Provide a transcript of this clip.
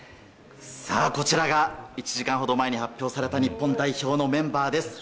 こちらが１時間ほど前に発表された日本代表のメンバーです。